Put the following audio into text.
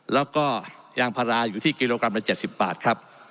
ราคายางภาราอยู่ที่กิโลกรัมตัว๗๐บาทครับ